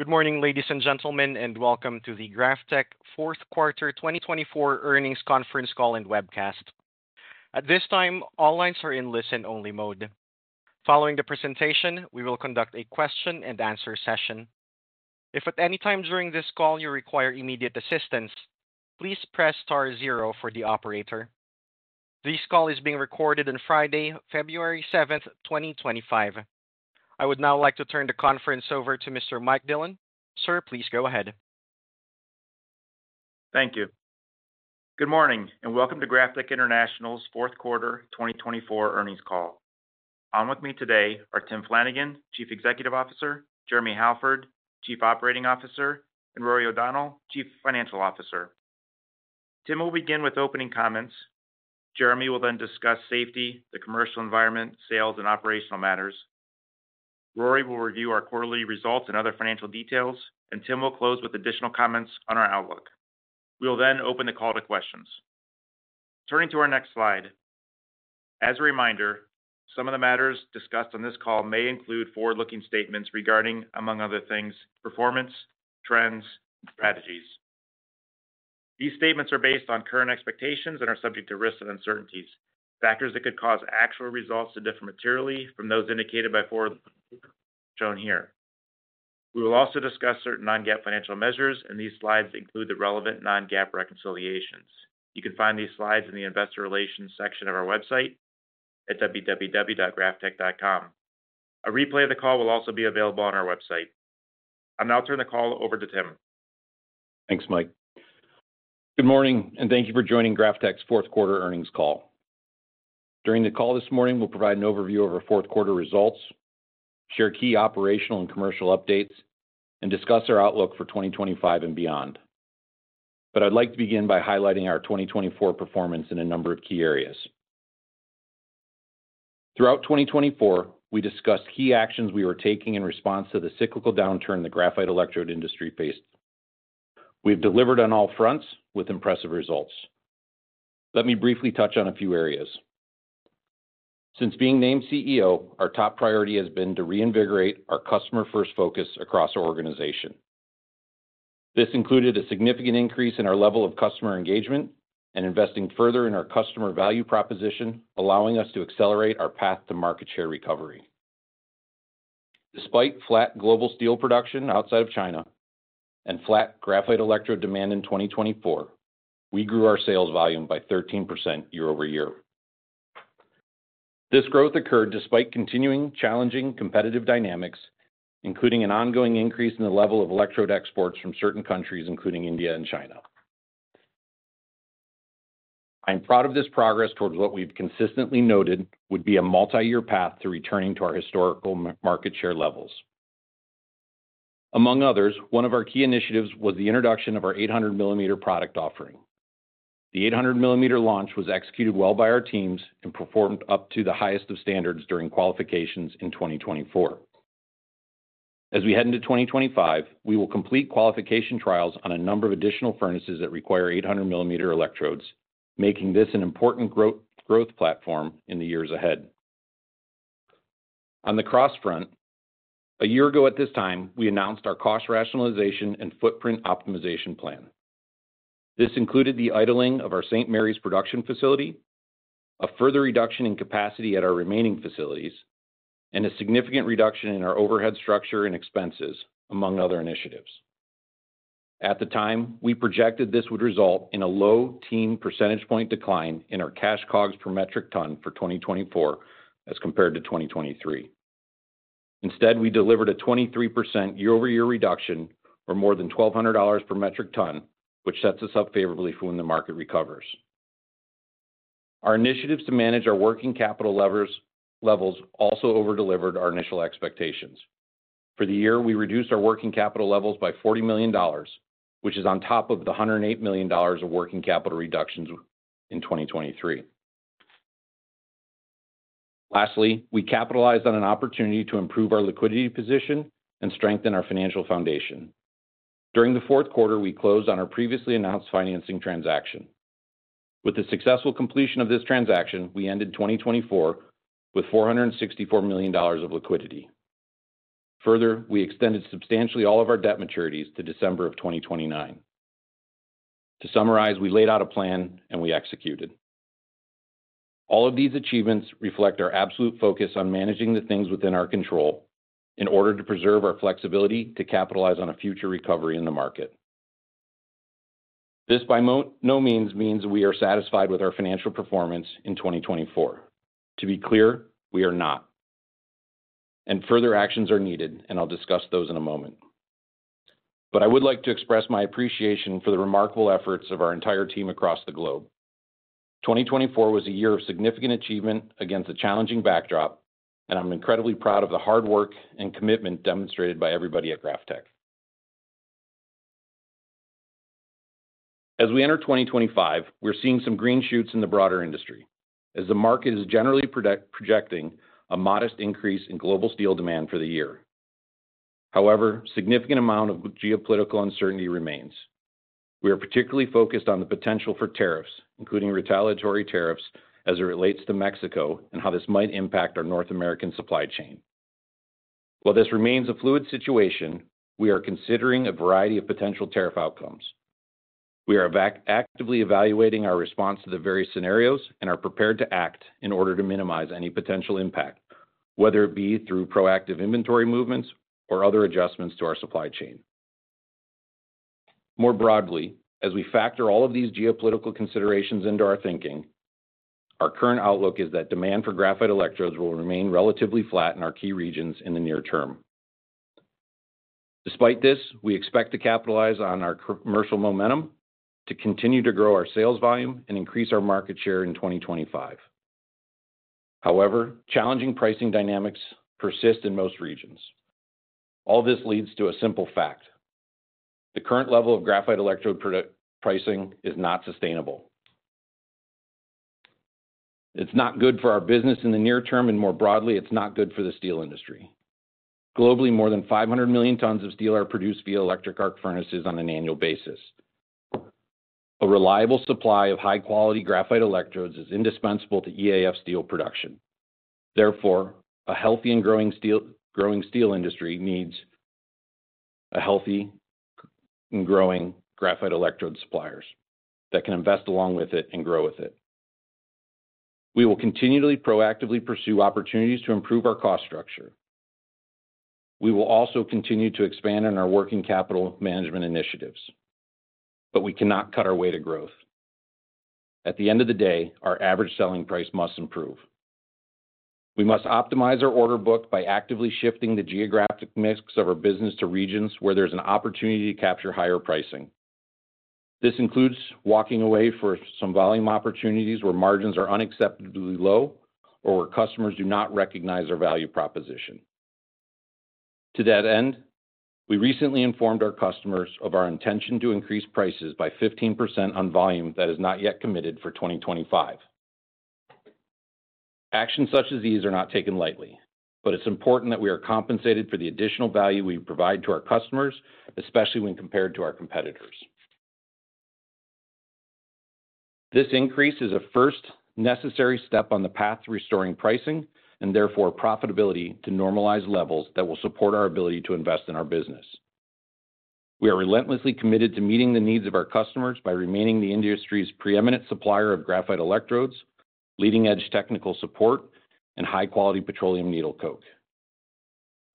Good morning, ladies and gentlemen, and welcome to the GrafTech Q4 2024 Earnings Conference call and webcast. At this time, all lines are in listen-only mode. Following the presentation, we will conduct a question-and-answer session. If at any time during this call you require immediate assistance, please press star zero for the operator. This call is being recorded on Friday, February 7, 2025. I would now like to turn the conference over to Mr. Mike Dillon. Sir, please go ahead. Thank you. Good morning, and welcome to GrafTech International's Q4 2024 Earnings Call. On with me today are Tim Flanagan, Chief Executive Officer; Jeremy Halford, Chief Operating Officer; and Rory O'Donnell, Chief Financial Officer. Tim will begin with opening comments. Jeremy will then discuss safety, the commercial environment, sales, and operational matters. Rory will review our quarterly results and other financial details, and Tim will close with additional comments on our outlook. We will then open the call to questions. Turning to our next slide. As a reminder, some of the matters discussed on this call may include forward-looking statements regarding, among other things, performance, trends, and strategies. These statements are based on current expectations and are subject to risks and uncertainties, factors that could cause actual results to differ materially from those indicated by forward-looking statements shown here. We will also discuss certain non-GAAP financial measures, and these slides include the relevant non-GAAP reconciliations. You can find these slides in the Investor Relations section of our website at www.graftech.com. A replay of the call will also be available on our website. I'll now turn the call over to Tim. Thanks, Mike. Good morning, and thank you for joining GrafTech's Q4 earnings call. During the call this morning, we'll provide an overview of our Q4 results, share key operational and commercial updates, and discuss our outlook for 2025 and beyond. I would like to begin by highlighting our 2024 performance in a number of key areas. Throughout 2024, we discussed key actions we were taking in response to the cyclical downturn the graphite electrode industry faced. We have delivered on all fronts with impressive results. Let me briefly touch on a few areas. Since being named CEO, our top priority has been to reinvigorate our customer-first focus across our organization. This included a significant increase in our level of customer engagement and investing further in our customer value proposition, allowing us to accelerate our path to market share recovery. Despite flat global steel production outside of China and flat graphite electrode demand in 2024, we grew our sales volume by 13% year over year. This growth occurred despite continuing challenging competitive dynamics, including an ongoing increase in the level of electrode exports from certain countries, including India and China. I am proud of this progress towards what we've consistently noted would be a multi-year path to returning to our historical market share levels. Among others, one of our key initiatives was the introduction of our 800-millimeter product offering. The 800-millimeter launch was executed well by our teams and performed up to the highest of standards during qualifications in 2024. As we head into 2025, we will complete qualification trials on a number of additional furnaces that require 800-millimeter electrodes, making this an important growth platform in the years ahead. On the cost front, a year ago at this time, we announced our cost rationalization and footprint optimization plan. This included the idling of our St. Mary's production facility, a further reduction in capacity at our remaining facilities, and a significant reduction in our overhead structure and expenses, among other initiatives. At the time, we projected this would result in a low teen percentage point decline in our cash COGS per metric ton for 2024 as compared to 2023. Instead, we delivered a 23% year-over-year reduction or more than $1,200 per metric ton, which sets us up favorably for when the market recovers. Our initiatives to manage our working capital levels also overdelivered our initial expectations. For the year, we reduced our working capital levels by $40 million, which is on top of the $108 million of working capital reductions in 2023. Lastly, we capitalized on an opportunity to improve our liquidity position and strengthen our financial foundation. During the Q4, we closed on our previously announced financing transaction. With the successful completion of this transaction, we ended 2024 with $464 million of liquidity. Further, we extended substantially all of our debt maturities to December of 2029. To summarize, we laid out a plan, and we executed. All of these achievements reflect our absolute focus on managing the things within our control in order to preserve our flexibility to capitalize on a future recovery in the market. This, by no means, means we are satisfied with our financial performance in 2024. To be clear, we are not. Further actions are needed, and I'll discuss those in a moment. I would like to express my appreciation for the remarkable efforts of our entire team across the globe. 2024 was a year of significant achievement against a challenging backdrop, and I'm incredibly proud of the hard work and commitment demonstrated by everybody at GrafTech. As we enter 2025, we're seeing some green shoots in the broader industry, as the market is generally projecting a modest increase in global steel demand for the year. However, a significant amount of geopolitical uncertainty remains. We are particularly focused on the potential for tariffs, including retaliatory tariffs, as it relates to Mexico and how this might impact our North American supply chain. While this remains a fluid situation, we are considering a variety of potential tariff outcomes. We are actively evaluating our response to the various scenarios and are prepared to act in order to minimize any potential impact, whether it be through proactive inventory movements or other adjustments to our supply chain. More broadly, as we factor all of these geopolitical considerations into our thinking, our current outlook is that demand for graphite electrodes will remain relatively flat in our key regions in the near term. Despite this, we expect to capitalize on our commercial momentum to continue to grow our sales volume and increase our market share in 2025. However, challenging pricing dynamics persist in most regions. All this leads to a simple fact: the current level of graphite electrode pricing is not sustainable. It's not good for our business in the near term, and more broadly, it's not good for the steel industry. Globally, more than 500 million tons of steel are produced via electric arc furnaces on an annual basis. A reliable supply of high-quality graphite electrodes is indispensable to EAF steel production. Therefore, a healthy and growing steel industry needs healthy and growing graphite electrode suppliers that can invest along with it and grow with it. We will continually proactively pursue opportunities to improve our cost structure. We will also continue to expand on our working capital management initiatives. We cannot cut our way to growth. At the end of the day, our average selling price must improve. We must optimize our order book by actively shifting the geographic mix of our business to regions where there is an opportunity to capture higher pricing. This includes walking away from some volume opportunities where margins are unacceptably low or where customers do not recognize our value proposition. To that end, we recently informed our customers of our intention to increase prices by 15% on volume that is not yet committed for 2025. Actions such as these are not taken lightly, but it's important that we are compensated for the additional value we provide to our customers, especially when compared to our competitors. This increase is a first necessary step on the path to restoring pricing and therefore profitability to normalize levels that will support our ability to invest in our business. We are relentlessly committed to meeting the needs of our customers by remaining the industry's preeminent supplier of graphite electrodes, leading-edge technical support, and high-quality petroleum needle coke,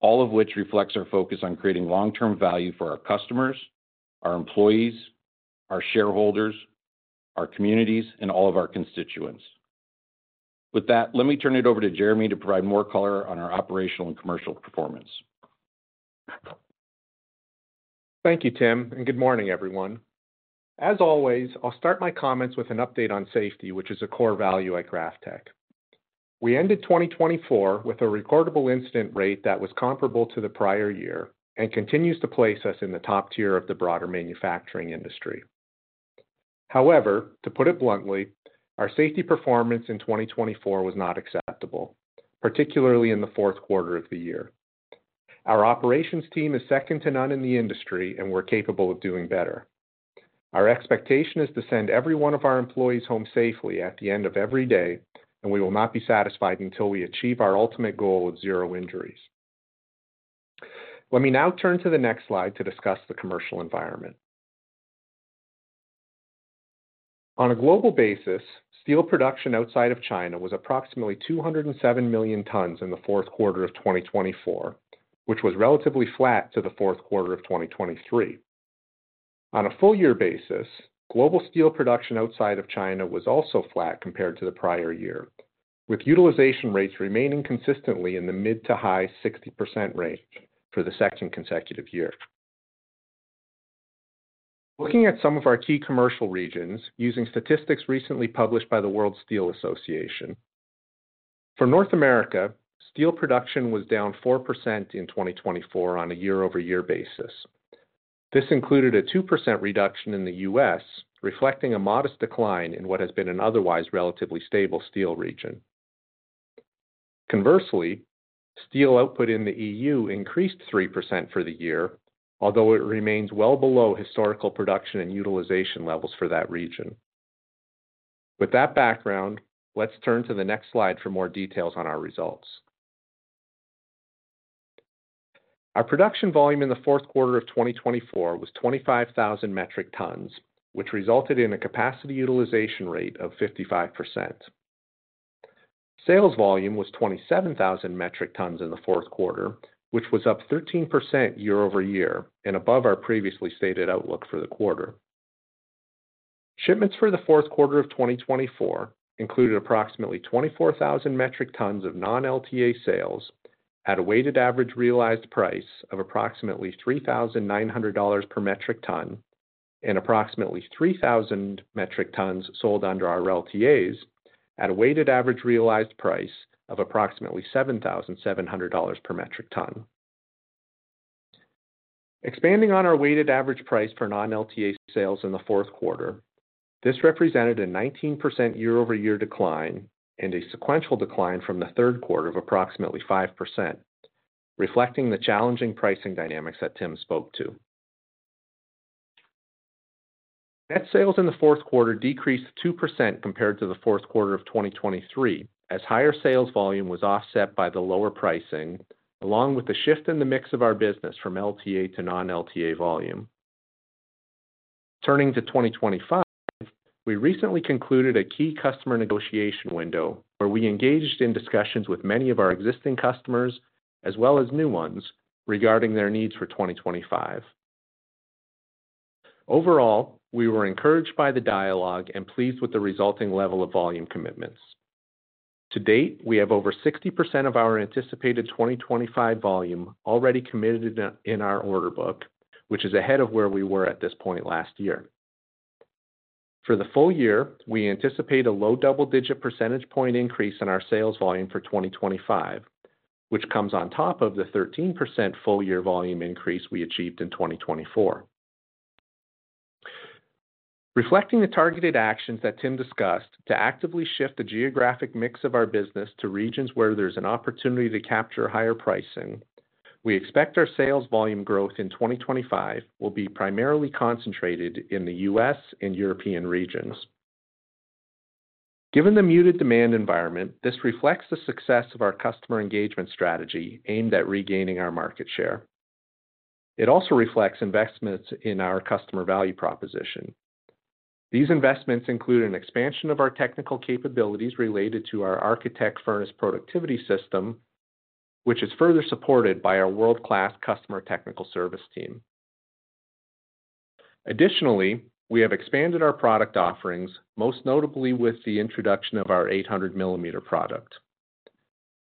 all of which reflects our focus on creating long-term value for our customers, our employees, our shareholders, our communities, and all of our constituents. With that, let me turn it over to Jeremy to provide more color on our operational and commercial performance. Thank you, Tim, and good morning, everyone. As always, I'll start my comments with an update on safety, which is a core value at GrafTech. We ended 2024 with a recordable incident rate that was comparable to the prior year and continues to place us in the top tier of the broader manufacturing industry. However, to put it bluntly, our safety performance in 2024 was not acceptable, particularly in Q4 of the year. Our operations team is second to none in the industry, and we're capable of doing better. Our expectation is to send every one of our employees home safely at the end of every day, and we will not be satisfied until we achieve our ultimate goal of zero injuries. Let me now turn to the next slide to discuss the commercial environment. On a global basis, steel production outside of China was approximately 207 million tons in the Q4 of 2024, which was relatively flat to the Q4 of 2023. On a full-year basis, global steel production outside of China was also flat compared to the prior year, with utilization rates remaining consistently in the mid to high 60% range for the second consecutive year. Looking at some of our key commercial regions, using statistics recently published by the World Steel Association, for North America, steel production was down 4% in 2024 on a year-over-year basis. This included a 2% reduction in the U.S., reflecting a modest decline in what has been an otherwise relatively stable steel region. Conversely, steel output in the EU increased 3% for the year, although it remains well below historical production and utilization levels for that region. With that background, let's turn to the next slide for more details on our results. Our production volume in the Q4 of 2024 was 25,000 metric tons, which resulted in a capacity utilization rate of 55%. Sales volume was 27,000 metric tons in the Q4, which was up 13% year-over-year and above our previously stated outlook for the quarter. Shipments for the Q4 of 2024 included approximately 24,000 metric tons of non-LTA sales at a weighted average realized price of approximately $3,900 per metric ton and approximately 3,000 metric tons sold under our LTAs at a weighted average realized price of approximately $7,700 per metric ton. Expanding on our weighted average price for non-LTA sales in the Q4, this represented a 19% year-over-year decline and a sequential decline from the Q3 of approximately 5%, reflecting the challenging pricing dynamics that Tim spoke to. Net sales in the Q4 decreased 2% compared to the Q4 of 2023, as higher sales volume was offset by the lower pricing, along with the shift in the mix of our business from LTA to non-LTA volume. Turning to 2025, we recently concluded a key customer negotiation window where we engaged in discussions with many of our existing customers as well as new ones regarding their needs for 2025. Overall, we were encouraged by the dialogue and pleased with the resulting level of volume commitments. To date, we have over 60% of our anticipated 2025 volume already committed in our order book, which is ahead of where we were at this point last year. For the full year, we anticipate a low double-digit percentage point increase in our sales volume for 2025, which comes on top of the 13% full-year volume increase we achieved in 2024. Reflecting the targeted actions that Tim discussed to actively shift the geographic mix of our business to regions where there's an opportunity to capture higher pricing, we expect our sales volume growth in 2025 will be primarily concentrated in the U.S. and European regions. Given the muted demand environment, this reflects the success of our customer engagement strategy aimed at regaining our market share. It also reflects investments in our customer value proposition. These investments include an expansion of our technical capabilities related to our architect furnace productivity system, which is further supported by our world-class customer technical service team. Additionally, we have expanded our product offerings, most notably with the introduction of our 800 millimeter product.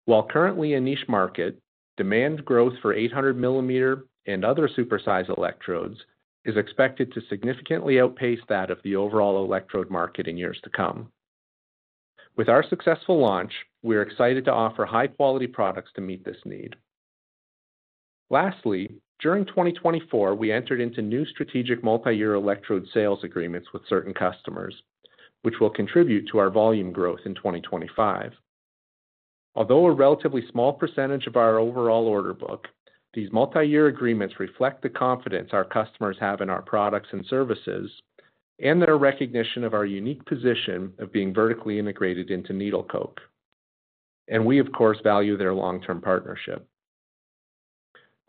While currently a niche market, demand growth for 800 millimeter and other super-size electrodes is expected to significantly outpace that of the overall electrode market in years to come. With our successful launch, we are excited to offer high-quality products to meet this need. Lastly, during 2024, we entered into new strategic multi-year electrode sales agreements with certain customers, which will contribute to our volume growth in 2025. Although a relatively small percentage of our overall order book, these multi-year agreements reflect the confidence our customers have in our products and services and their recognition of our unique position of being vertically integrated into needle coke. We, of course, value their long-term partnership.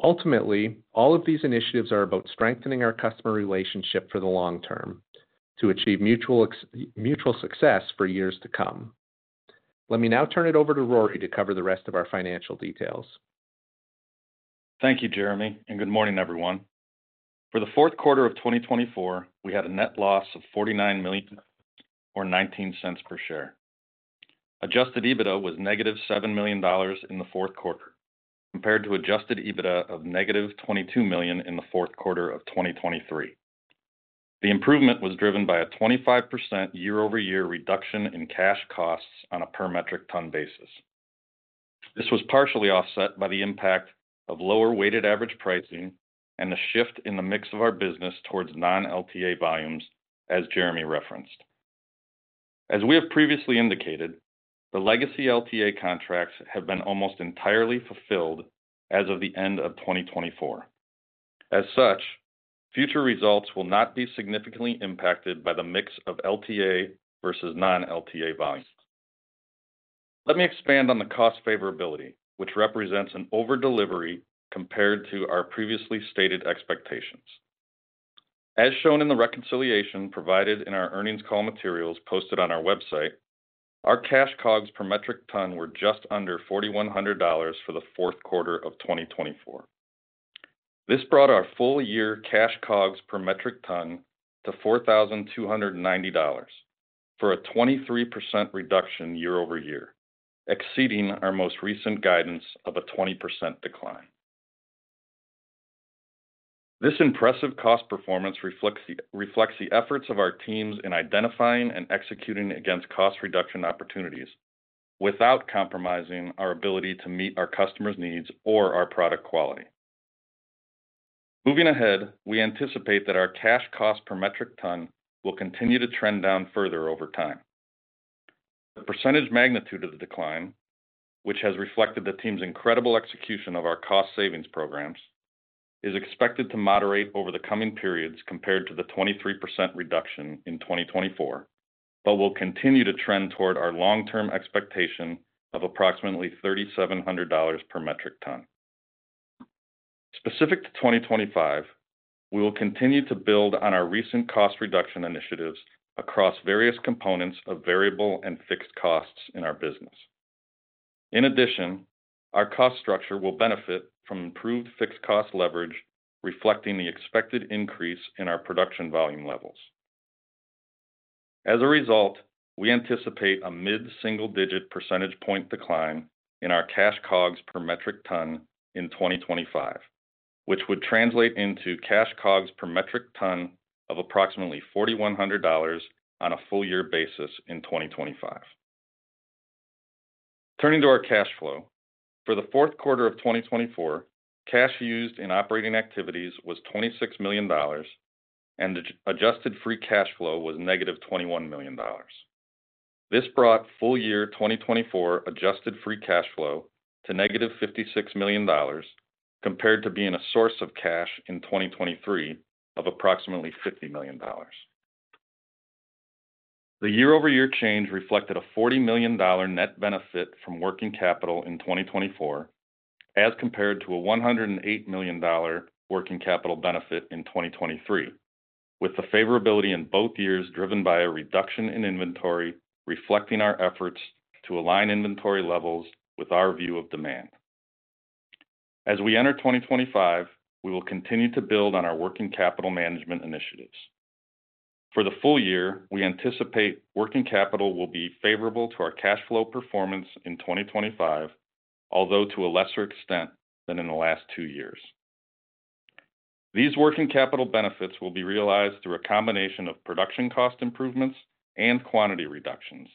Ultimately, all of these initiatives are about strengthening our customer relationship for the long term to achieve mutual success for years to come. Let me now turn it over to Rory to cover the rest of our financial details. Thank you, Jeremy, and good morning, everyone. For the Q4 of 2024, we had a net loss of $49 million or $0.19 per share. Adjusted EBITDA was negative $7 million in the Q4 compared to adjusted EBITDA of negative $22 million in the Q4 of 2023. The improvement was driven by a 25% year-over-year reduction in cash costs on a per metric ton basis. This was partially offset by the impact of lower weighted average pricing and the shift in the mix of our business towards non-LTA volumes, as Jeremy referenced. As we have previously indicated, the legacy LTA contracts have been almost entirely fulfilled as of the end of 2024. As such, future results will not be significantly impacted by the mix of LTA versus non-LTA volumes. Let me expand on the cost favorability, which represents an overdelivery compared to our previously stated expectations. As shown in the reconciliation provided in our earnings call materials posted on our website, our cash COGS per metric ton were just under $4,100 for Q4 of 2024. This brought our full-year cash COGS per metric ton to $4,290 for a 23% reduction year-over-year, exceeding our most recent guidance of a 20% decline. This impressive cost performance reflects the efforts of our teams in identifying and executing against cost reduction opportunities without compromising our ability to meet our customers' needs or our product quality. Moving ahead, we anticipate that our cash cost per metric ton will continue to trend down further over time. The percentage magnitude of the decline, which has reflected the team's incredible execution of our cost savings programs, is expected to moderate over the coming periods compared to the 23% reduction in 2024, but will continue to trend toward our long-term expectation of approximately $3,700 per metric ton. Specific to 2025, we will continue to build on our recent cost reduction initiatives across various components of variable and fixed costs in our business. In addition, our cost structure will benefit from improved fixed cost leverage, reflecting the expected increase in our production volume levels. As a result, we anticipate a mid-single-digit percentage point decline in our cash COGS per metric ton in 2025, which would translate into cash COGS per metric ton of approximately $4,100 on a full-year basis in 2025. Turning to our cash flow, for the Q4 of 2024, cash used in operating activities was $26 million, and adjusted free cash flow was negative $21 million. This brought full-year 2024 adjusted free cash flow to negative $56 million compared to being a source of cash in 2023 of approximately $50 million. The year-over-year change reflected a $40 million net benefit from working capital in 2024 as compared to a $108 million working capital benefit in 2023, with the favorability in both years driven by a reduction in inventory reflecting our efforts to align inventory levels with our view of demand. As we enter 2025, we will continue to build on our working capital management initiatives. For the full year, we anticipate working capital will be favorable to our cash flow performance in 2025, although to a lesser extent than in the last two years. These working capital benefits will be realized through a combination of production cost improvements and quantity reductions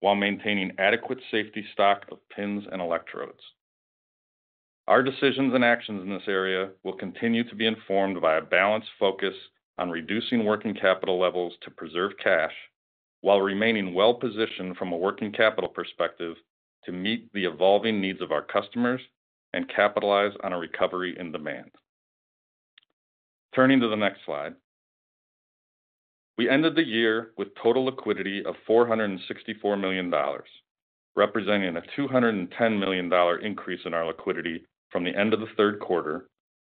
while maintaining adequate safety stock of pins and electrodes. Our decisions and actions in this area will continue to be informed by a balanced focus on reducing working capital levels to preserve cash while remaining well-positioned from a working capital perspective to meet the evolving needs of our customers and capitalize on a recovery in demand. Turning to the next slide, we ended the year with total liquidity of $464 million, representing a $210 million increase in our liquidity from the end of Q4,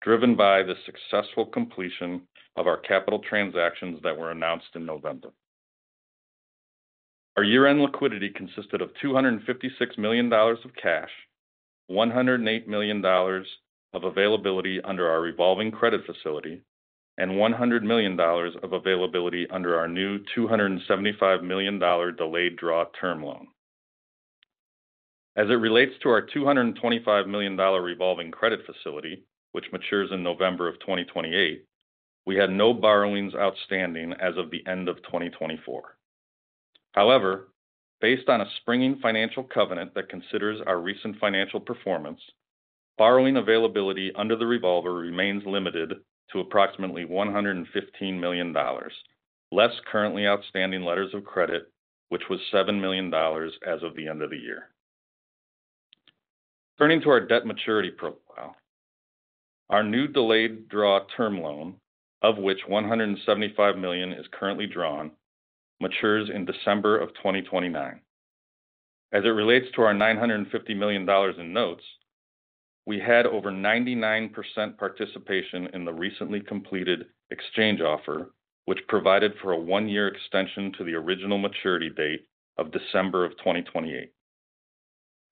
driven by the successful completion of our capital transactions that were announced in November. Our year-end liquidity consisted of $256 million of cash, $108 million of availability under our revolving credit facility, and $100 million of availability under our new $275 million delayed draw term loan. As it relates to our $225 million revolving credit facility, which matures in November of 2028, we had no borrowings outstanding as of the end of 2024. However, based on a springing financial covenant that considers our recent financial performance, borrowing availability under the revolver remains limited to approximately $115 million, less currently outstanding letters of credit, which was $7 million as of the end of the year. Turning to our debt maturity profile, our new delayed draw term loan, of which $175 million is currently drawn, matures in December of 2029. As it relates to our $950 million in notes, we had over 99% participation in the recently completed exchange offer, which provided for a one-year extension to the original maturity date of December of 2028.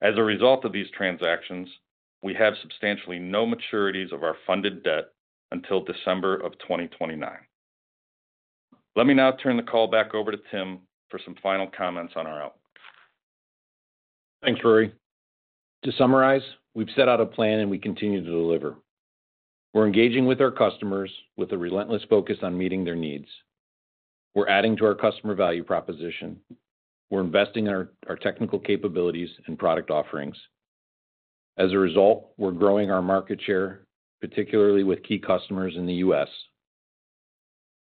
As a result of these transactions, we have substantially no maturities of our funded debt until December of 2029. Let me now turn the call back over to Tim for some final comments on our outlook. Thanks, Rory. To summarize, we've set out a plan and we continue to deliver. We're engaging with our customers with a relentless focus on meeting their needs. We're adding to our customer value proposition. We're investing in our technical capabilities and product offerings. As a result, we're growing our market share, particularly with key customers in the U.S..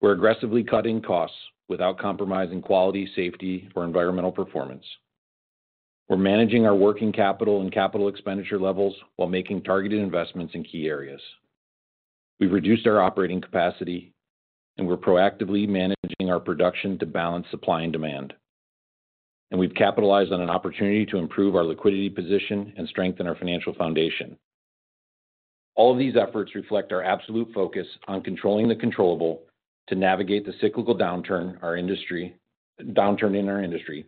We're aggressively cutting costs without compromising quality, safety, or environmental performance. We're managing our working capital and capital expenditure levels while making targeted investments in key areas. We've reduced our operating capacity, and we're proactively managing our production to balance supply and demand. We've capitalized on an opportunity to improve our liquidity position and strengthen our financial foundation. All of these efforts reflect our absolute focus on controlling the controllable to navigate the cyclical downturn in our industry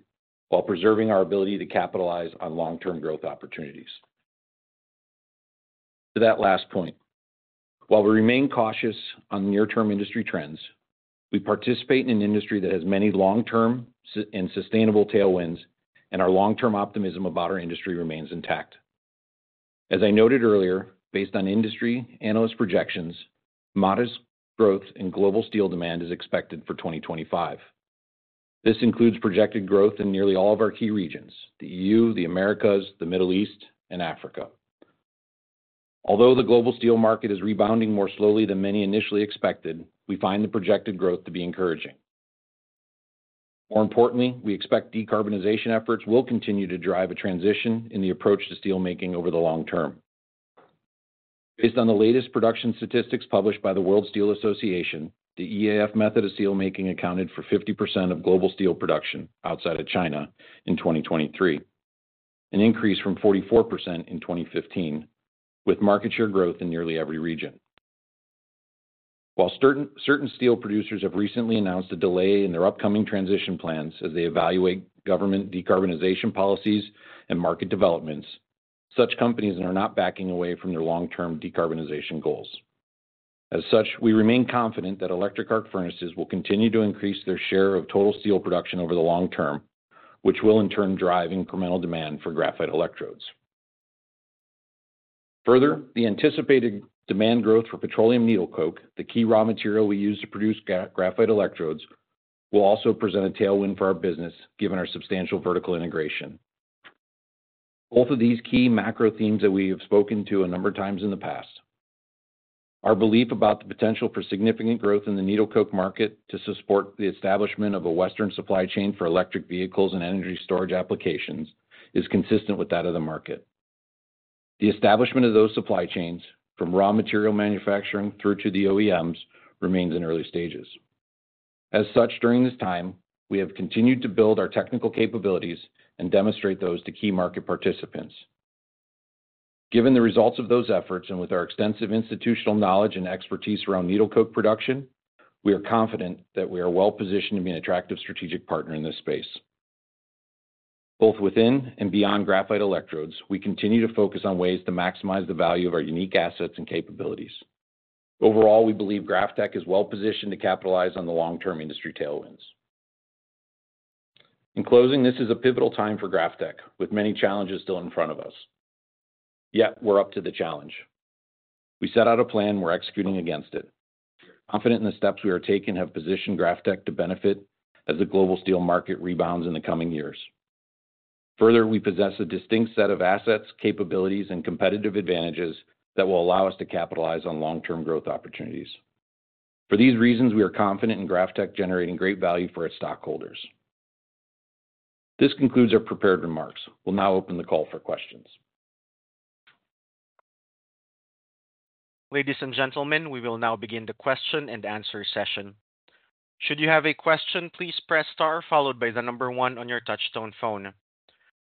while preserving our ability to capitalize on long-term growth opportunities. To that last point, while we remain cautious on near-term industry trends, we participate in an industry that has many long-term and sustainable tailwinds, and our long-term optimism about our industry remains intact. As I noted earlier, based on industry analyst projections, modest growth in global steel demand is expected for 2025. This includes projected growth in nearly all of our key regions: the EU, the Americas, the Middle East, and Africa. Although the global steel market is rebounding more slowly than many initially expected, we find the projected growth to be encouraging. More importantly, we expect decarbonization efforts will continue to drive a transition in the approach to steelmaking over the long term. Based on the latest production statistics published by the World Steel Association, the EAF method of steelmaking accounted for 50% of global steel production outside of China in 2023, an increase from 44% in 2015, with market share growth in nearly every region. While certain steel producers have recently announced a delay in their upcoming transition plans as they evaluate government decarbonization policies and market developments, such companies are not backing away from their long-term decarbonization goals. As such, we remain confident that electric arc furnaces will continue to increase their share of total steel production over the long term, which will in turn drive incremental demand for graphite electrodes. Further, the anticipated demand growth for petroleum needle coke, the key raw material we use to produce graphite electrodes, will also present a tailwind for our business given our substantial vertical integration. Both of these key macro themes that we have spoken to a number of times in the past. Our belief about the potential for significant growth in the needle coke market to support the establishment of a Western supply chain for electric vehicles and energy storage applications is consistent with that of the market. The establishment of those supply chains, from raw material manufacturing through to the OEMs, remains in early stages. As such, during this time, we have continued to build our technical capabilities and demonstrate those to key market participants. Given the results of those efforts and with our extensive institutional knowledge and expertise around needle coke production, we are confident that we are well-positioned to be an attractive strategic partner in this space. Both within and beyond graphite electrodes, we continue to focus on ways to maximize the value of our unique assets and capabilities. Overall, we believe GrafTech is well-positioned to capitalize on the long-term industry tailwinds. In closing, this is a pivotal time for GrafTech, with many challenges still in front of us. Yet, we're up to the challenge. We set out a plan, we're executing against it. Confident in the steps we are taking have positioned GrafTech to benefit as the global steel market rebounds in the coming years. Further, we possess a distinct set of assets, capabilities, and competitive advantages that will allow us to capitalize on long-term growth opportunities. For these reasons, we are confident in GrafTech generating great value for its stockholders. This concludes our prepared remarks. We'll now open the call for questions. Ladies and gentlemen, we will now begin the question and answer session. Should you have a question, please press star followed by the number one on your touch-tone phone.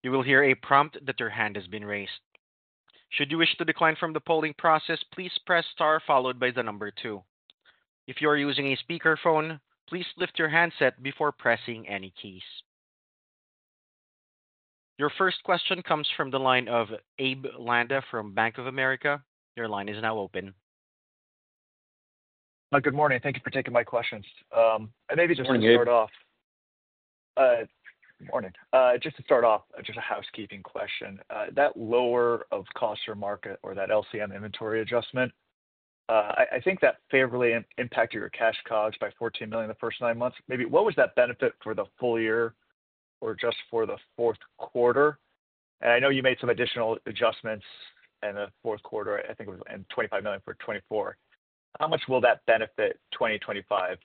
You will hear a prompt that your hand has been raised. Should you wish to decline from the polling process, please press star followed by the number two. If you are using a speakerphone, please lift your handset before pressing any keys. Your first question comes from the line of Abe Landa from Bank of America. Your line is now open. Good morning. Thank you for taking my questions. Maybe just to start off. Morning. Morning. Just to start off, just a housekeeping question. That lower of cost or market or that LCM inventory adjustment, I think that favorably impacted your cash COGS by $14 million in the first nine months. Maybe what was that benefit for the full year or just for Q4? I know you made some additional adjustments in Q4, I think it was $25 million for 2024. How much will that benefit 2025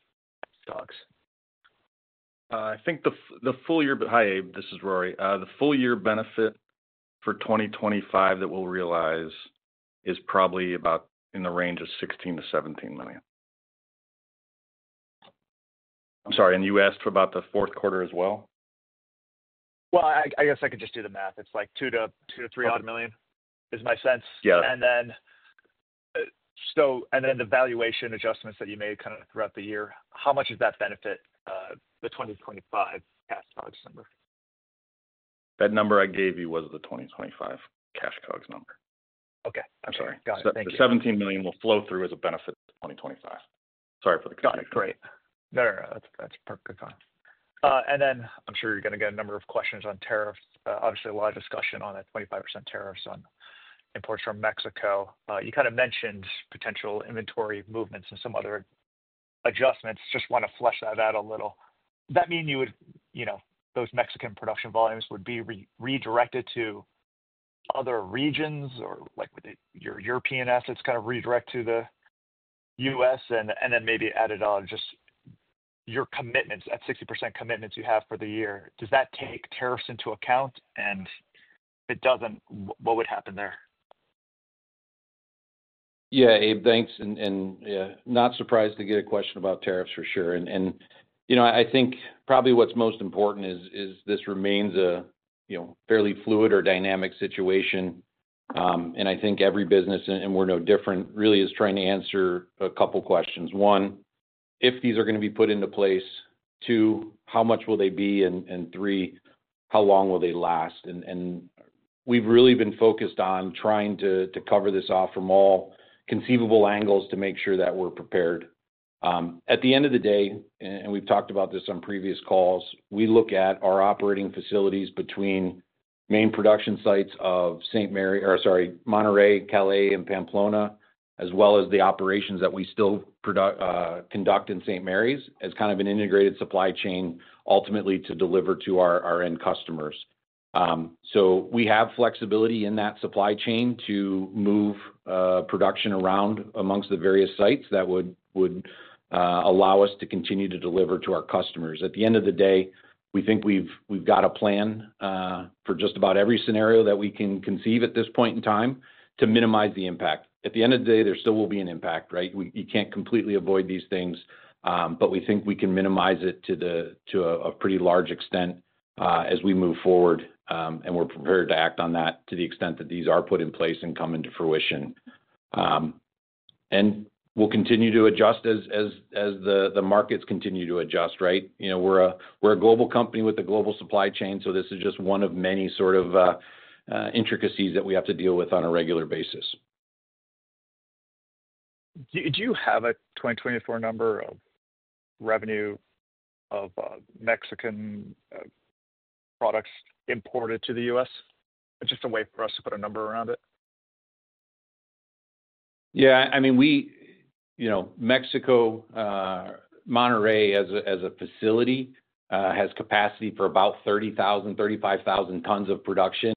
stocks? I think the full year—hi, Abe. This is Rory. The full year benefit for 2025 that we'll realize is probably about in the range of $16 million to $17 million. I'm sorry. And you asked about the Q4 as well? I guess I could just do the math. It's like $200 million-$300 million is my sense. And then the valuation adjustments that you made kind of throughout the year, how much does that benefit the 2025 cash COGS number? That number I gave you was the 2025 cash COGS number. Okay. I'm sorry. Got it. Thank you. The $17 million will flow through as a benefit to 2025. Sorry for the confusion. Got it. Great. No, no, no. That's perfectly fine. I'm sure you're going to get a number of questions on tariffs. Obviously, a lot of discussion on that 25% tariffs on imports from Mexico. You kind of mentioned potential inventory movements and some other adjustments. Just want to flesh that out a little. Does that mean those Mexican production volumes would be redirected to other regions or would your European assets kind of redirect to the U.S.? Maybe added on just your commitments, that 60% commitments you have for the year. Does that take tariffs into account? If it doesn't, what would happen there? Yeah, Abe, thanks. Not surprised to get a question about tariffs for sure. I think probably what's most important is this remains a fairly fluid or dynamic situation. I think every business—and we're no different—really is trying to answer a couple of questions. One, if these are going to be put into place. Two, how much will they be? Three, how long will they last? We've really been focused on trying to cover this off from all conceivable angles to make sure that we're prepared. At the end of the day, and we've talked about this on previous calls, we look at our operating facilities between main production sites of Monterrey, Calais, and Pamplona, as well as the operations that we still conduct in St. Mary's, as kind of an integrated supply chain, ultimately to deliver to our end customers. We have flexibility in that supply chain to move production around amongst the various sites that would allow us to continue to deliver to our customers. At the end of the day, we think we've got a plan for just about every scenario that we can conceive at this point in time to minimize the impact. At the end of the day, there still will be an impact, right? You can't completely avoid these things, but we think we can minimize it to a pretty large extent as we move forward. We're prepared to act on that to the extent that these are put in place and come into fruition. We'll continue to adjust as the markets continue to adjust, right? We're a global company with a global supply chain, so this is just one of many sort of intricacies that we have to deal with on a regular basis. Do you have a 2024 number of revenue of Mexican products imported to the U.S.? Just a way for us to put a number around it. Yeah. I mean, Mexico, Monterrey as a facility, has capacity for about 30,000-35,000 tons of production.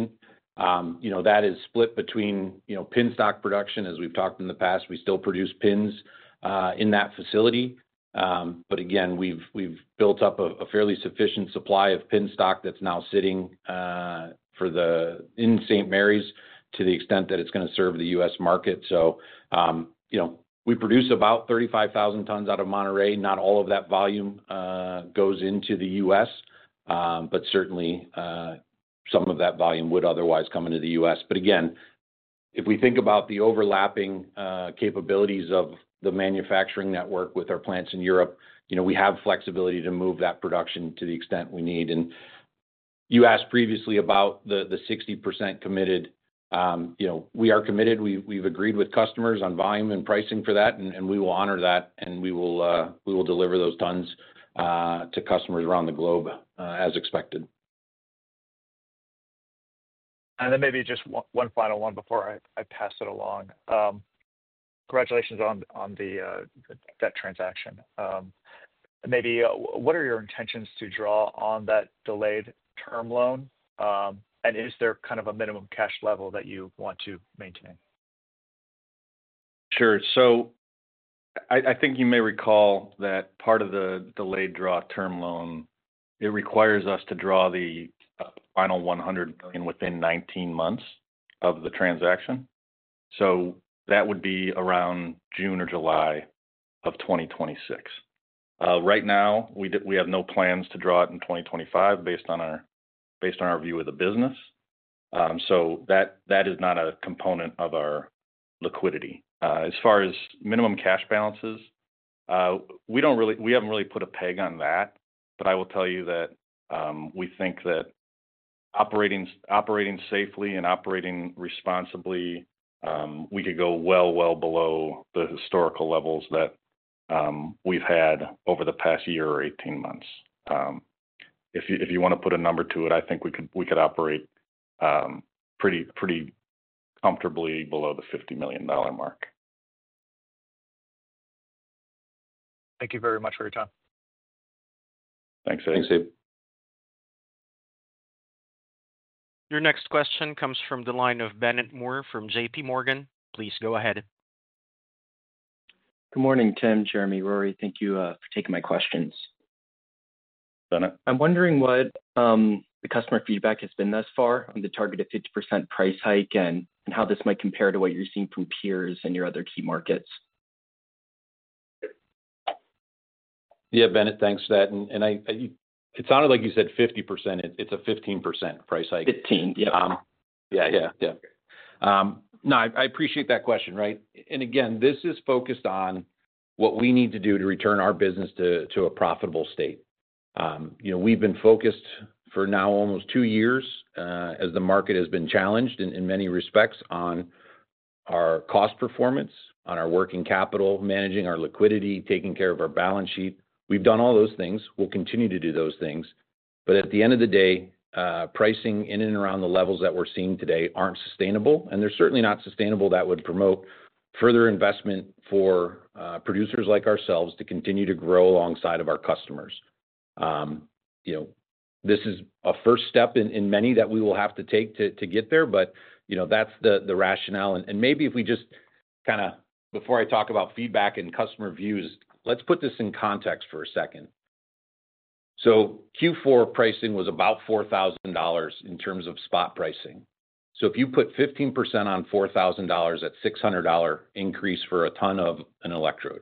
That is split between pin stock production. As we've talked in the past, we still produce pins in that facility. Again, we've built up a fairly sufficient supply of pin stock that's now sitting in St. Mary's to the extent that it's going to serve the U.S. market. We produce about 35,000 tons out of Monterrey. Not all of that volume goes into the U.S., but certainly some of that volume would otherwise come into the U.S. Again, if we think about the overlapping capabilities of the manufacturing network with our plants in Europe, we have flexibility to move that production to the extent we need. You asked previously about the 60% committed. We are committed. have agreed with customers on volume and pricing for that, and we will honor that. We will deliver those tons to customers around the globe as expected. Maybe just one final one before I pass it along. Congratulations on the debt transaction. Maybe what are your intentions to draw on that delayed term loan? Is there kind of a minimum cash level that you want to maintain? Sure. I think you may recall that part of the delayed draw term loan, it requires us to draw the final $100 million within 19 months of the transaction. That would be around June or July of 2026. Right now, we have no plans to draw it in 2025 based on our view of the business. That is not a component of our liquidity. As far as minimum cash balances, we have not really put a peg on that. I will tell you that we think that operating safely and operating responsibly, we could go well, well below the historical levels that we have had over the past year or 18 months. If you want to put a number to it, I think we could operate pretty comfortably below the $50 million mark. Thank you very much for your time. Thanks, Abe. Your next question comes from the line of Bennett Moore from JPMorgan. Please go ahead. Good morning, Tim, Jeremy, Rory. Thank you for taking my questions. Bennett? I'm wondering what the customer feedback has been thus far on the targeted 50% price hike and how this might compare to what you're seeing from peers and your other key markets. Yeah, Bennett, thanks for that. It sounded like you said 50%. It's a 15% price hike. 15, yeah. Yeah, yeah, yeah. No, I appreciate that question, right? Again, this is focused on what we need to do to return our business to a profitable state. We've been focused for now almost two years as the market has been challenged in many respects on our cost performance, on our working capital, managing our liquidity, taking care of our balance sheet. We've done all those things. We'll continue to do those things. At the end of the day, pricing in and around the levels that we're seeing today aren't sustainable. They're certainly not sustainable that would promote further investment for producers like ourselves to continue to grow alongside of our customers. This is a first step in many that we will have to take to get there. That's the rationale. Maybe if we just kind of—before I talk about feedback and customer views, let's put this in context for a second. Q4 pricing was about $4,000 in terms of spot pricing. If you put 15% on $4,000, that is a $600 increase for a ton of an electrode.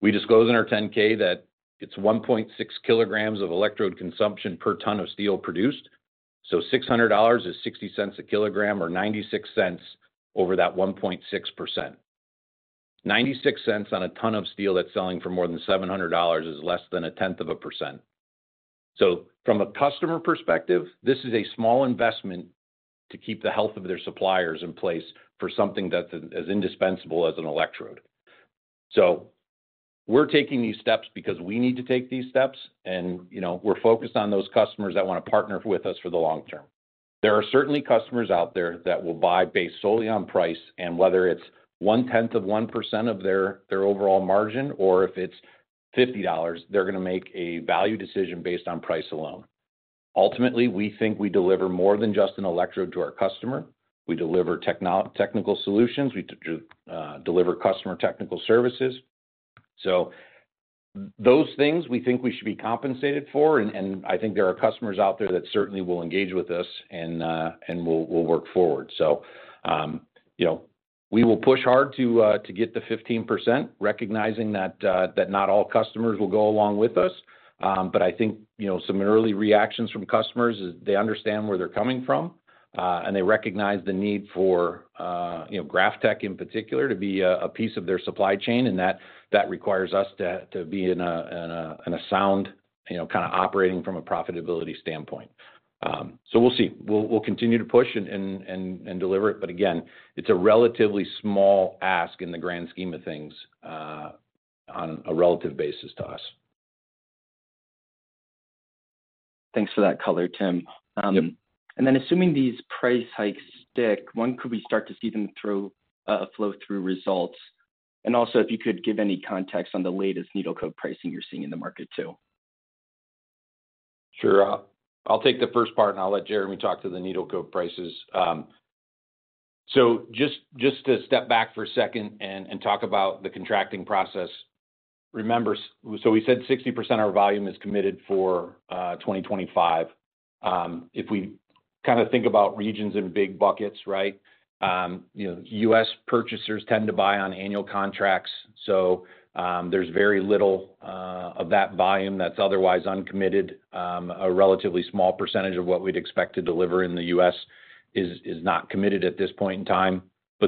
We disclose in our 10-K that it is 1.6 kilograms of electrode consumption per ton of steel produced. $600 is $0.60 a kilogram or $0.96 over that 1.6. $0.96 on a ton of steel that is selling for more than $700 is less than a tenth of a percent. From a customer perspective, this is a small investment to keep the health of their suppliers in place for something that is as indispensable as an electrode. We are taking these steps because we need to take these steps. We're focused on those customers that want to partner with us for the long term. There are certainly customers out there that will buy based solely on price. Whether it's one-tenth of 1% of their overall margin or if it's $50, they're going to make a value decision based on price alone. Ultimately, we think we deliver more than just an electrode to our customer. We deliver technical solutions. We deliver customer technical services. Those things we think we should be compensated for. I think there are customers out there that certainly will engage with us and will work forward. We will push hard to get the 15%, recognizing that not all customers will go along with us. I think some early reactions from customers is they understand where they're coming from. They recognize the need for GrafTech in particular to be a piece of their supply chain. That requires us to be in a sound kind of operating from a profitability standpoint. We will see. We will continue to push and deliver it. Again, it is a relatively small ask in the grand scheme of things on a relative basis to us. Thanks for that color, Tim. Assuming these price hikes stick, when could we start to see them flow through results? Also, if you could give any context on the latest needle coke pricing you're seeing in the market too. Sure. I'll take the first part, and I'll let Jeremy talk to the needle coke prices. Just to step back for a second and talk about the contracting process. Remember, we said 60% of our volume is committed for 2025. If we kind of think about regions in big buckets, right? U.S. purchasers tend to buy on annual contracts. There is very little of that volume that's otherwise uncommitted. A relatively small percentage of what we'd expect to deliver in the U.S. is not committed at this point in time.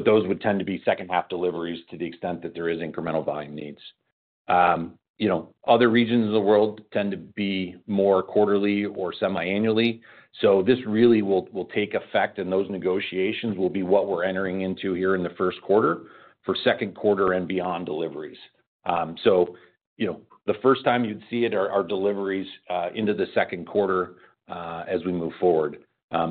Those would tend to be second-half deliveries to the extent that there is incremental volume needs. Other regions of the world tend to be more quarterly or semi-annually. This really will take effect, and those negotiations will be what we're entering into here in the first quarter for second quarter and beyond deliveries. The first time you'd see it are deliveries into the second quarter as we move forward.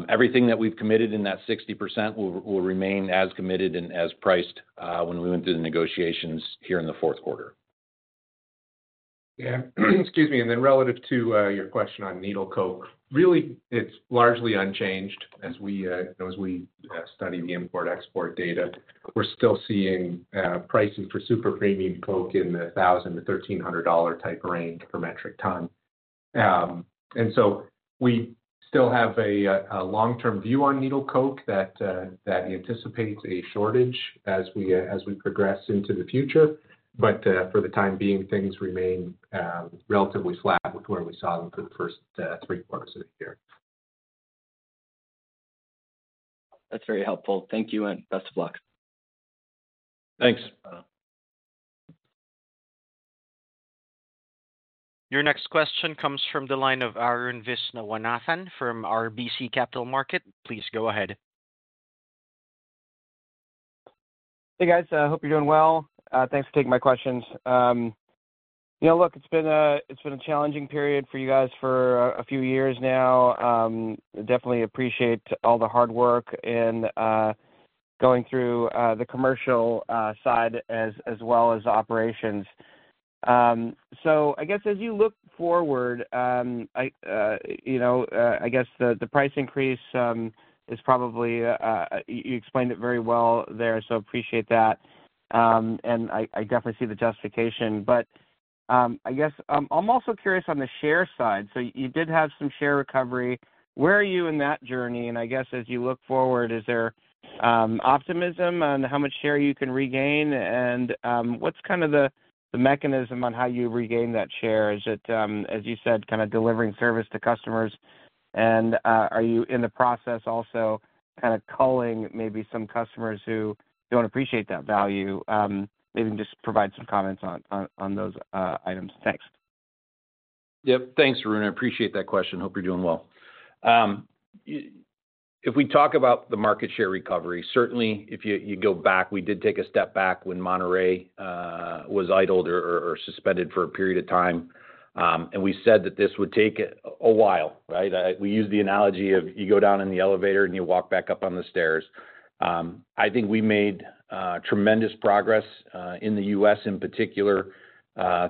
Everything that we've committed in that 60% will remain as committed and as priced when we went through the negotiations here in the fourth quarter. Yeah. Excuse me. Relative to your question on needle coke, really, it's largely unchanged. As we study the import-export data, we're still seeing pricing for super premium coke in the $1,000-$1,300 range per metric ton. We still have a long-term view on needle coke that anticipates a shortage as we progress into the future. For the time being, things remain relatively flat with where we saw them for the first three quarters of the year. That's very helpful. Thank you, and best of luck. Thanks. Your next question comes from the line of Arun Viswanathan from RBC Capital Markets. Please go ahead. Hey, guys. I hope you're doing well. Thanks for taking my questions. Look, it's been a challenging period for you guys for a few years now. Definitely appreciate all the hard work in going through the commercial side as well as operations. I guess as you look forward, I guess the price increase is probably—you explained it very well there, so I appreciate that. I definitely see the justification. I guess I'm also curious on the share side. You did have some share recovery. Where are you in that journey? I guess as you look forward, is there optimism on how much share you can regain? What's kind of the mechanism on how you regain that share? Is it, as you said, kind of delivering service to customers? Are you in the process also kind of culling maybe some customers who do not appreciate that value? Maybe just provide some comments on those items. Thanks. Yep. Thanks, Arun. I appreciate that question. Hope you're doing well. If we talk about the market share recovery, certainly if you go back, we did take a step back when Monterrey was idled or suspended for a period of time. We said that this would take a while, right? We use the analogy of you go down in the elevator and you walk back up on the stairs. I think we made tremendous progress in the U.S. in particular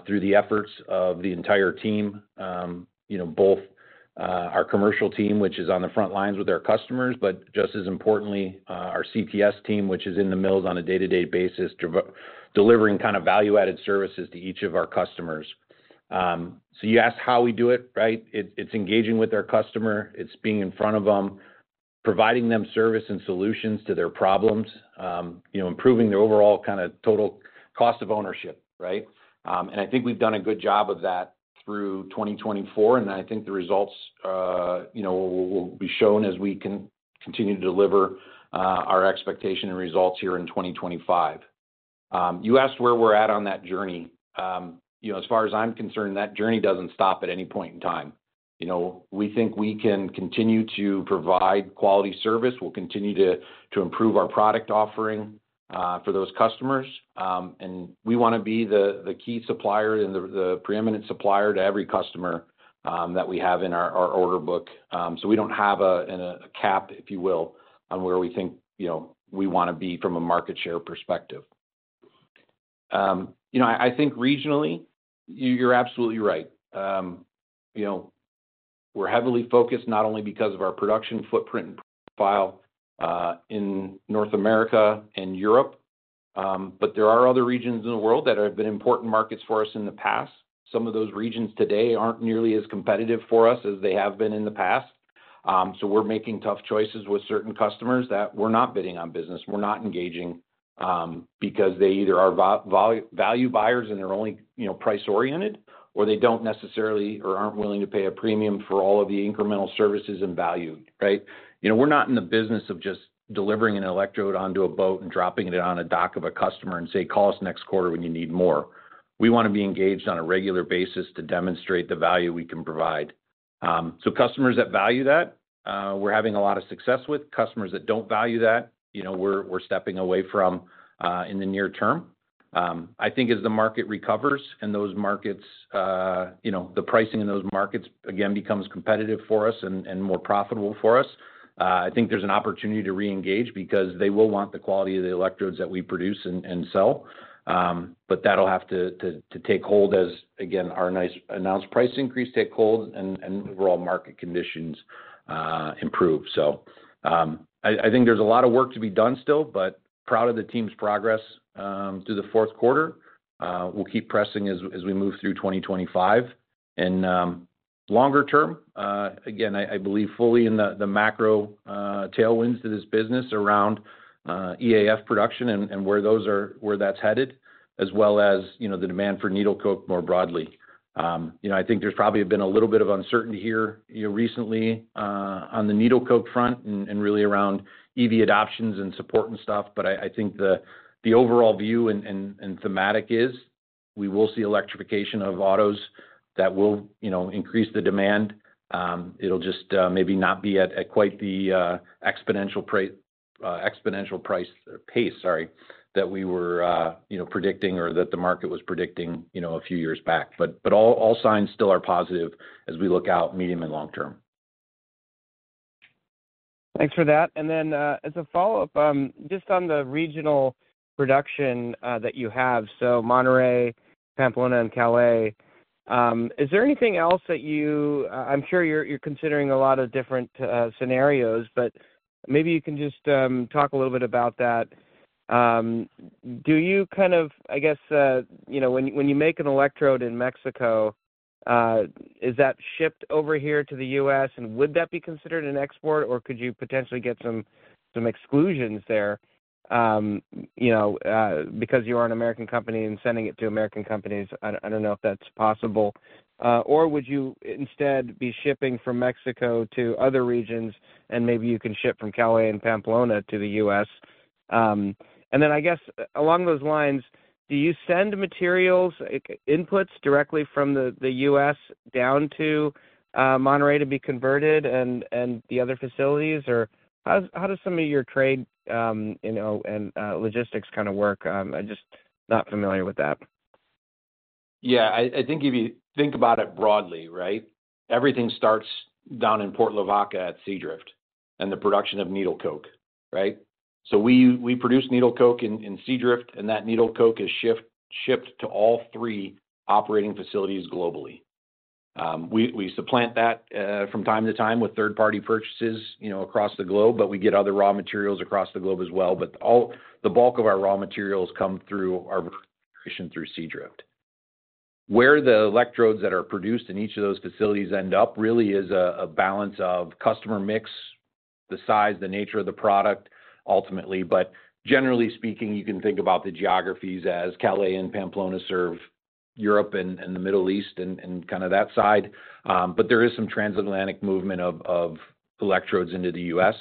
through the efforts of the entire team, both our commercial team, which is on the front lines with our customers, but just as importantly, our CTS team, which is in the mills on a day-to-day basis delivering kind of value-added services to each of our customers. You asked how we do it, right? It's engaging with our customer. It's being in front of them, providing them service and solutions to their problems, improving the overall kind of total cost of ownership, right? I think we've done a good job of that through 2024. I think the results will be shown as we continue to deliver our expectation and results here in 2025. You asked where we're at on that journey. As far as I'm concerned, that journey doesn't stop at any point in time. We think we can continue to provide quality service. We'll continue to improve our product offering for those customers. We want to be the key supplier and the preeminent supplier to every customer that we have in our order book. We don't have a cap, if you will, on where we think we want to be from a market share perspective. I think regionally, you're absolutely right. We're heavily focused not only because of our production footprint and profile in North America and Europe, but there are other regions in the world that have been important markets for us in the past. Some of those regions today aren't nearly as competitive for us as they have been in the past. We're making tough choices with certain customers that we're not bidding on business. We're not engaging because they either are value buyers and they're only price-oriented, or they don't necessarily or aren't willing to pay a premium for all of the incremental services and value, right? We're not in the business of just delivering an electrode onto a boat and dropping it on a dock of a customer and say, "Call us next quarter when you need more." We want to be engaged on a regular basis to demonstrate the value we can provide. Customers that value that, we're having a lot of success with. Customers that do not value that, we're stepping away from in the near term. I think as the market recovers and those markets, the pricing in those markets, again, becomes competitive for us and more profitable for us, I think there's an opportunity to reengage because they will want the quality of the electrodes that we produce and sell. That will have to take hold as, again, our nice announced price increase takes hold and overall market conditions improve. I think there's a lot of work to be done still, but proud of the team's progress through the fourth quarter. We'll keep pressing as we move through 2025. Longer term, again, I believe fully in the macro tailwinds to this business around EAF production and where that's headed, as well as the demand for needle coke more broadly. I think there's probably been a little bit of uncertainty here recently on the needle coke front and really around EV adoptions and support and stuff. I think the overall view and thematic is we will see electrification of autos that will increase the demand. It'll just maybe not be at quite the exponential price pace, sorry, that we were predicting or that the market was predicting a few years back. All signs still are positive as we look out medium and long term. Thanks for that. As a follow-up, just on the regional production that you have, so Monterrey, Pamplona, and Calais, is there anything else that you—I'm sure you're considering a lot of different scenarios, but maybe you can just talk a little bit about that. Do you kind of, I guess, when you make an electrode in Mexico, is that shipped over here to the U.S.? Would that be considered an export, or could you potentially get some exclusions there because you are an American company and sending it to American companies? I don't know if that's possible. Would you instead be shipping from Mexico to other regions, and maybe you can ship from Calais and Pamplona to the U.S.? I guess along those lines, do you send materials, inputs directly from the U.S. down to Monterrey to be converted and the other facilities? How does some of your trade and logistics kind of work? I'm just not familiar with that. Yeah. I think if you think about it broadly, right, everything starts down in Port Lavaca at Seadrift and the production of needle coke, right? We produce needle coke in Seadrift, and that needle coke is shipped to all three operating facilities globally. We supplant that from time to time with third-party purchases across the globe, but we get other raw materials across the globe as well. The bulk of our raw materials come through our version through Seadrift. Where the electrodes that are produced in each of those facilities end up really is a balance of customer mix, the size, the nature of the product, ultimately. Generally speaking, you can think about the geographies as Calais and Pamplona serve Europe and the Middle East and kind of that side. There is some transatlantic movement of electrodes into the U.S.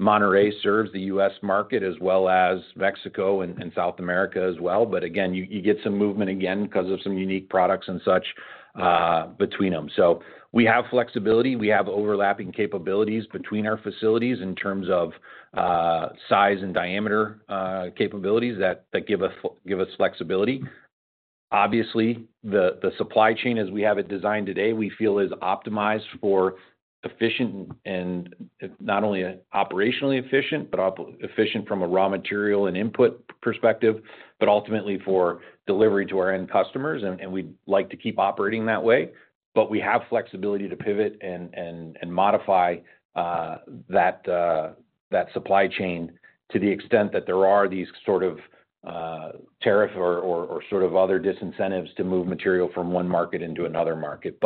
Monterrey serves the U.S. market as well as Mexico and South America as well. You get some movement again because of some unique products and such between them. We have flexibility. We have overlapping capabilities between our facilities in terms of size and diameter capabilities that give us flexibility. Obviously, the supply chain, as we have it designed today, we feel is optimized for efficient and not only operationally efficient, but efficient from a raw material and input perspective, but ultimately for delivery to our end customers. We would like to keep operating that way. We have flexibility to pivot and modify that supply chain to the extent that there are these sort of tariff or sort of other disincentives to move material from one market into another market.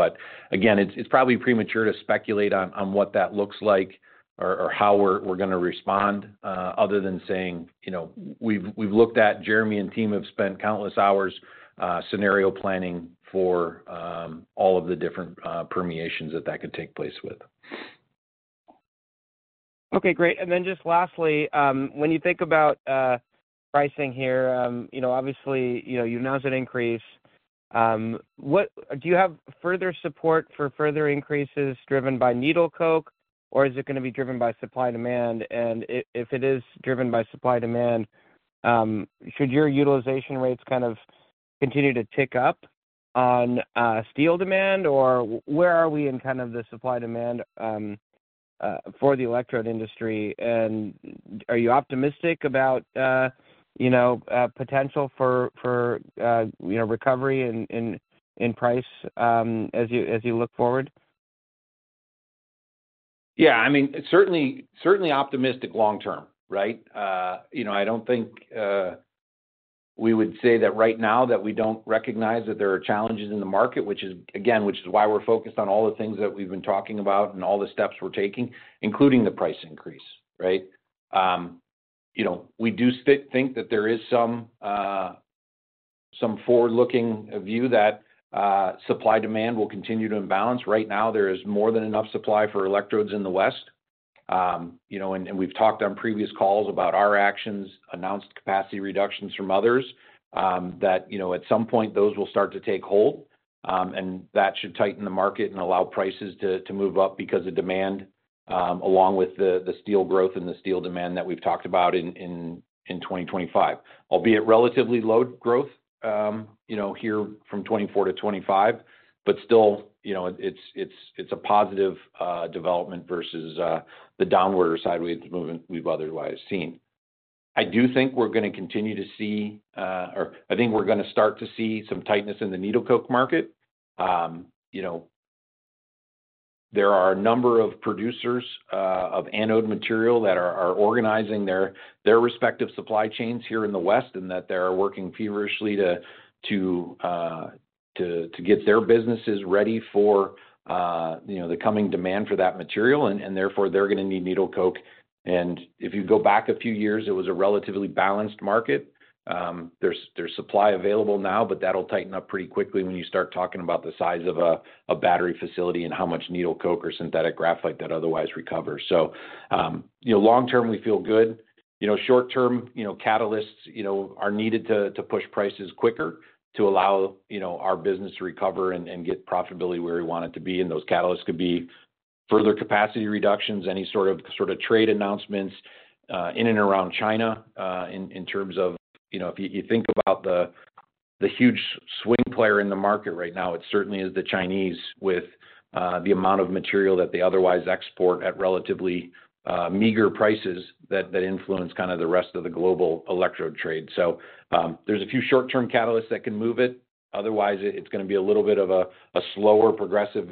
Again, it's probably premature to speculate on what that looks like or how we're going to respond other than saying we've looked at it. Jeremy and team have spent countless hours scenario planning for all of the different permutations that that could take place with. Okay. Great. Lastly, when you think about pricing here, obviously, you've announced an increase. Do you have further support for further increases driven by needle coke, or is it going to be driven by supply demand? If it is driven by supply demand, should your utilization rates kind of continue to tick up on steel demand? Where are we in kind of the supply demand for the electrode industry? Are you optimistic about potential for recovery in price as you look forward? Yeah. I mean, certainly optimistic long term, right? I don't think we would say that right now that we don't recognize that there are challenges in the market, which is, again, which is why we're focused on all the things that we've been talking about and all the steps we're taking, including the price increase, right? We do think that there is some forward-looking view that supply demand will continue to imbalance. Right now, there is more than enough supply for electrodes in the West. We have talked on previous calls about our actions, announced capacity reductions from others, that at some point, those will start to take hold. That should tighten the market and allow prices to move up because of demand, along with the steel growth and the steel demand that we've talked about in 2025, albeit relatively low growth here from 2024 to 2025, but still, it's a positive development versus the downward side we've otherwise seen. I do think we're going to continue to see, or I think we're going to start to see some tightness in the needle coke market. There are a number of producers of anode material that are organizing their respective supply chains here in the West, and that they're working feverishly to get their businesses ready for the coming demand for that material. Therefore, they're going to need needle coke. If you go back a few years, it was a relatively balanced market. There's supply available now, but that'll tighten up pretty quickly when you start talking about the size of a battery facility and how much needle coke or synthetic graphite that otherwise recovers. Long term, we feel good. Short term, catalysts are needed to push prices quicker to allow our business to recover and get profitability where we want it to be. Those catalysts could be further capacity reductions, any sort of trade announcements in and around China in terms of if you think about the huge swing player in the market right now, it certainly is the Chinese with the amount of material that they otherwise export at relatively meager prices that influence kind of the rest of the global electrode trade. There's a few short-term catalysts that can move it. Otherwise, it's going to be a little bit of a slower progressive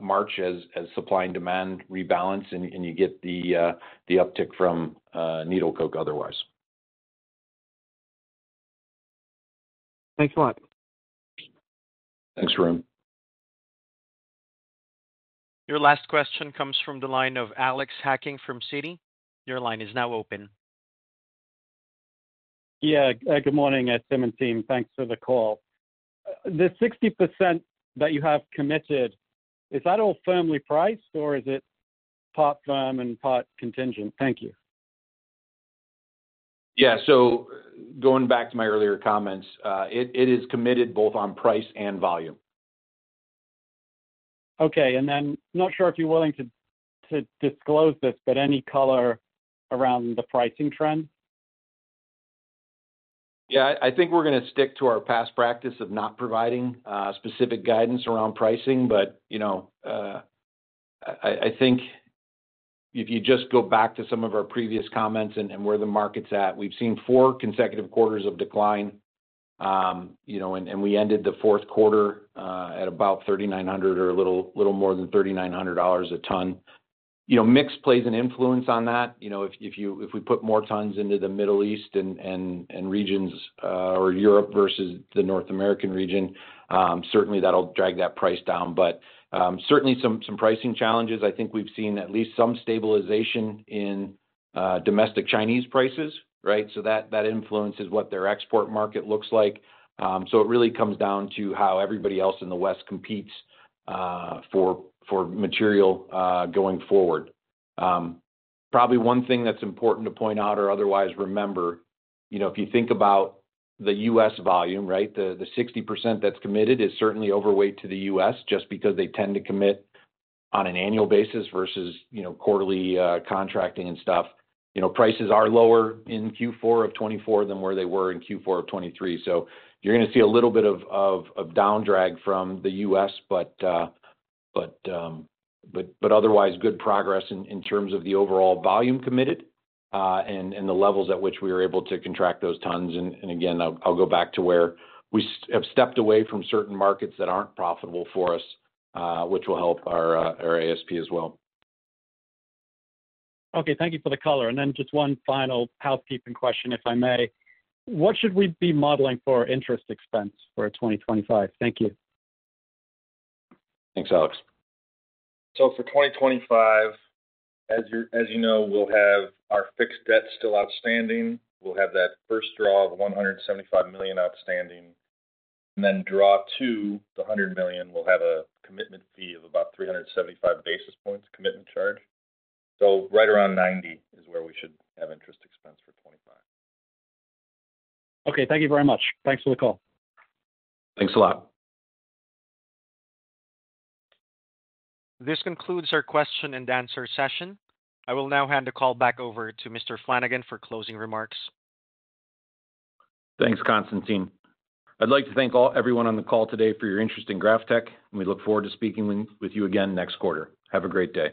march as supply and demand rebalance, and you get the uptick from needle coke otherwise. Thanks a lot. Thanks, Arun. Your last question comes from the line of Alex Hacking from Citi. Your line is now open. Yeah. Good morning, Tim and team. Thanks for the call. The 60% that you have committed, is that all firmly priced, or is it part firm and part contingent? Thank you. Yeah. Going back to my earlier comments, it is committed both on price and volume. Okay. Not sure if you're willing to disclose this, but any color around the pricing trend? Yeah. I think we're going to stick to our past practice of not providing specific guidance around pricing. I think if you just go back to some of our previous comments and where the market's at, we've seen four consecutive quarters of decline, and we ended the fourth quarter at about $3,900 or a little more than $3,900 a ton. Mix plays an influence on that. If we put more tons into the Middle East and regions or Europe versus the North American region, certainly that'll drag that price down. Certainly, some pricing challenges. I think we've seen at least some stabilization in domestic Chinese prices, right? That influences what their export market looks like. It really comes down to how everybody else in the west competes for material going forward. Probably one thing that's important to point out or otherwise remember, if you think about the U.S. volume, right, the 60% that's committed is certainly overweight to the U.S. just because they tend to commit on an annual basis versus quarterly contracting and stuff. Prices are lower in Q4 of 2024 than where they were in Q4 of 2023. You are going to see a little bit of downdrag from the U.S., but otherwise, good progress in terms of the overall volume committed and the levels at which we were able to contract those tons. Again, I'll go back to where we have stepped away from certain markets that aren't profitable for us, which will help our ASP as well. Okay. Thank you for the color. Just one final housekeeping question, if I may. What should we be modeling for interest expense for 2025? Thank you. Thanks, Alex. For 2025, as you know, we'll have our fixed debt still outstanding. We'll have that first draw of $175 million outstanding. And then draw two, the $100 million, we'll have a commitment fee of about 375 basis points, commitment charge. So right around $90 million is where we should have interest expense for 2025. Okay. Thank you very much. Thanks for the call. Thanks a lot. This concludes our question and answer session. I will now hand the call back over to Mr. Flanagan for closing remarks. Thanks, Constantine. I'd like to thank everyone on the call today for your interest in GrafTech. And we look forward to speaking with you again next quarter. Have a great day.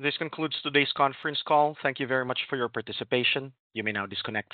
This concludes today's conference call. Thank you very much for your participation. You may now disconnect.